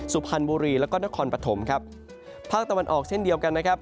สุพรรณบุรีแล้วก็นครปฐมครับภาคตะวันออกเช่นเดียวกันนะครับ